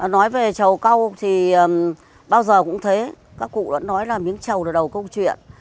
nói về trầu câu thì bao giờ cũng thế các cụ đã nói là miếng trầu là đầu câu chuyện